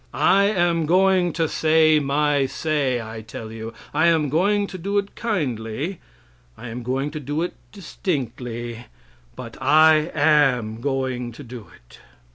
I am going to say my say, I tell you. I am going to do it kindly, I am going to do it distinctly, but I am going to do it.